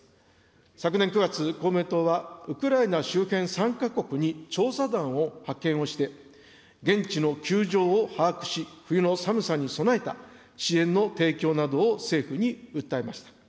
昨年９月、公明党はウクライナ周辺３か国に調査団を派遣をして、現地の窮状を把握し、冬の寒さに備えた支援の提供などを政府に訴えました。